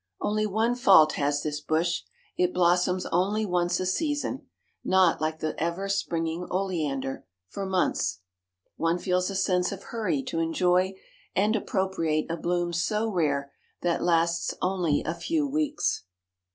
Only one fault has this bush: it blossoms only once a season; not, like the ever springing oleander, for months. One feels a sense of hurry to enjoy and appropriate a bloom so rare, that lasts only a few weeks.